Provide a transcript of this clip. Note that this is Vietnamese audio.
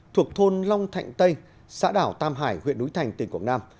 thuộc thôn long thạnh tây xã đảo tam hải huyện núi thành tỉnh quảng nam